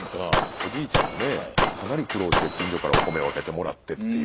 おじいちゃんがねかなり苦労して近所からお米を分けてもらってっていう。